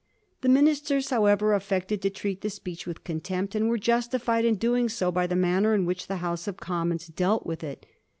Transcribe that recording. The ministers, however, affected to treat the speech with contempt, and were justified in doing so by the manner in which the House of Conmions dealt with it.